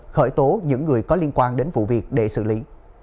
khởi tố những người có liên quan đến vụ việc để xử lý